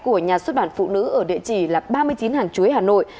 của nhà xuất bản phụ nữ ở địa chỉ là ba mươi chín hàng chuối hà nội